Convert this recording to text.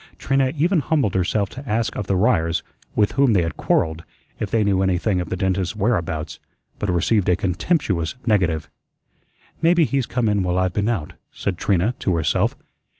Trina even humbled herself to ask of the Ryers with whom they had quarrelled if they knew anything of the dentist's whereabouts, but received a contemptuous negative. "Maybe he's come in while I've been out," said Trina to herself.